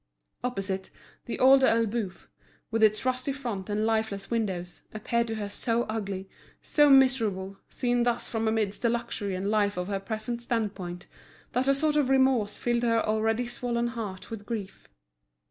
Opposite, The Old Elbeuf, with its rusty front and lifeless windows, appeared to her so ugly, so miserable, seen thus from amidst the luxury and life of her present standpoint, that a sort of remorse filled her already swollen heart with grief.